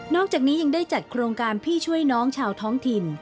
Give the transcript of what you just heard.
อกจากนี้ยังได้จัดโครงการพี่ช่วยน้องชาวท้องถิ่น